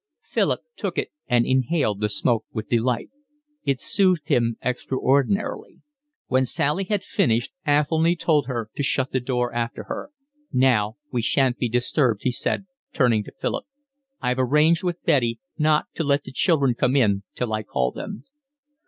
Philip took it and inhaled the smoke with delight. It soothed him extraordinarily. When Sally had finished Athelny told her to shut the door after her. "Now we shan't be disturbed," he said, turning to Philip. "I've arranged with Betty not to let the children come in till I call them."